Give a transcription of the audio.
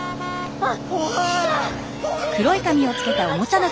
あっ！